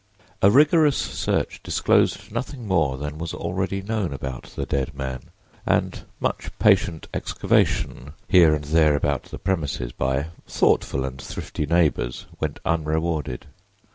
A rigorous search disclosed nothing more than was already known about the dead man, and much patient excavation here and there about the premises by thoughtful and thrifty neighbors went unrewarded.